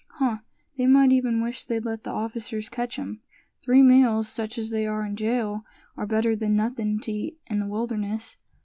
Huh! they might even wish they'd let the officers ketch 'em. Three meals, such as they are in jail, are better than nothin' to eat in the wilderness."